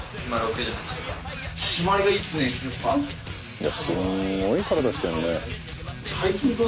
いやすんごい体してるね！